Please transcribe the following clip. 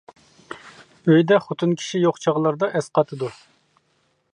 ئۆيدە خوتۇن كىشى يوق چاغلاردا ئەس قاتىدۇ.